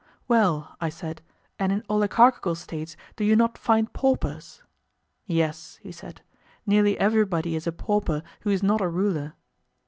Well, I said, and in oligarchical States do you not find paupers? Yes, he said; nearly everybody is a pauper who is not a ruler.